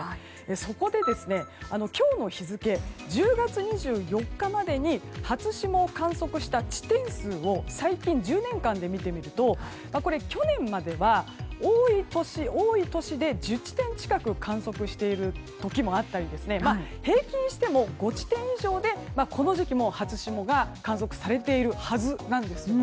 そこで、今日の日付１０月２４日までに初霜を観測した地点数を最近１０年間で見てみると去年までは多い年で１０地点近く観測している時もあったり平均しても５地点以上でこの時期初霜が観測されているはずなんです。